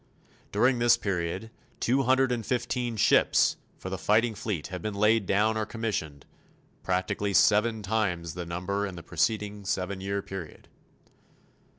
During this period 215 ships for the fighting fleet have been laid down or commissioned, practically seven times the number in the preceding seven year period.